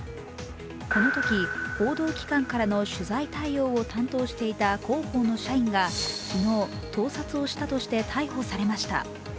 このとき報道機関からの取材対応を担当していた広報の社員が昨日、盗撮をしたとして逮捕されました。